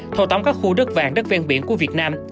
thâu tóm các khu đất vàng đất ven biển của việt nam